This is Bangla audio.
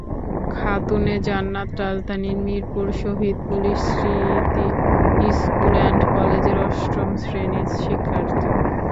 খাতুনে জান্নাত রাজধানীর মিরপুরের শহীদ পুলিশ স্মৃতি স্কুল অ্যান্ড কলেজের অষ্টম শ্রেণির শিক্ষার্থী।